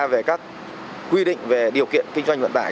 về các quy định về điều kiện kinh doanh vận tải